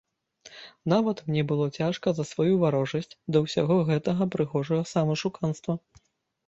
Нават мне было цяжка за сваю варожасць да ўсяго гэтага прыгожага самаашуканства.